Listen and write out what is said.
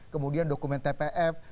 kemudian dokumen tpf